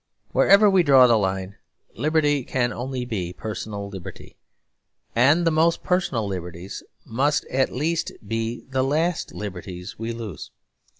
Wherever we draw the line, liberty can only be personal liberty; and the most personal liberties must at least be the last liberties we lose.